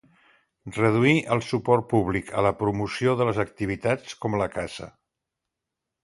Reduir el suport públic a la promoció de les activitats com la caça.